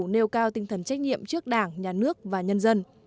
nêu cao tinh thần trách nhiệm trước đảng nhà nước và nhân dân